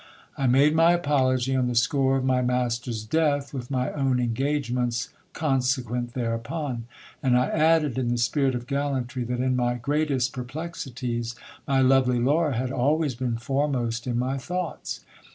I made my apology on the score of my master's death, with my own engage irents consequent thereupon ; and I added, in the spirit of gallantry, that in my greatest perplexities, my lovely Laura had always been foremost in my thoughts.